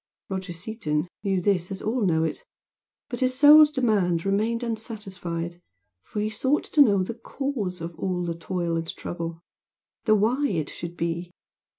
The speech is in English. Roger Seaton knew this as all know it but his soul's demand remained unsatisfied, for he sought to know the CAUSE of all the toil and trouble, the "why" it should be.